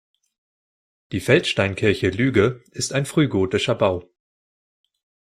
Die Feldsteinkirche Lüge ist ein frühgotischer Bau.